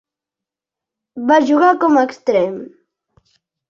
Va jugar com a extrem.